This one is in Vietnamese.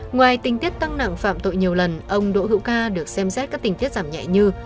ngoài tình tiết tăng nặng phạm tội nhiều lần ông đỗ hữu ca được xem xét các tình tiết giảm nhẹ như